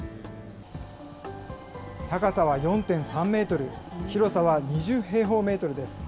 高さは４．３メートル、広さは２０平方メートルです。